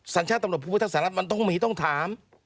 สัญชาติตำรวจผู้พุทธสหรัฐมันต้องมีต้องถาม